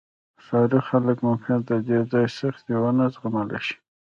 ښاري خلک ممکن د دې ځای سختۍ ونه زغملی شي